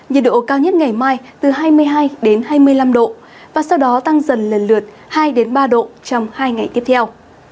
nhiệt độ cao nhất ngày mai từ hai mươi hai hai mươi năm độ và sau đó tăng dần lần lượt hai ba độ trong hai ngày tiếp theo